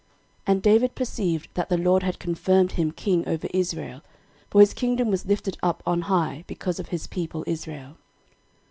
13:014:002 And David perceived that the LORD had confirmed him king over Israel, for his kingdom was lifted up on high, because of his people Israel.